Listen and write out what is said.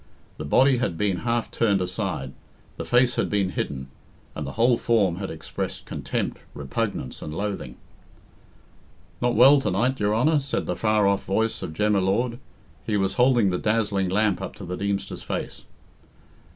The body had been half turned aside, the face had been hidden, and the whole form had expressed contempt, repugnance, and loathing. "Not well to night, your Honour?" said the far off voice of Jem y Lord. He was holding the dazzling lamp up to the Deemster's face.